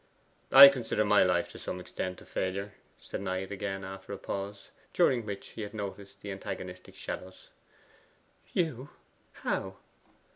'I consider my life to some extent a failure,' said Knight again after a pause, during which he had noticed the antagonistic shadows. 'You! How?